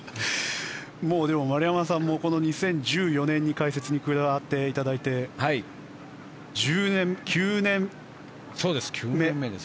丸山さんも２０１４年に解説に加わっていただいてそうです。